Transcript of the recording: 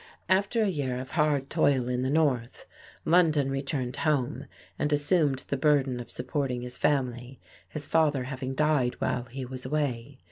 After a year of hard toil in the north, London returned home and assumed the burden of supporting his family, his father having died while he was away.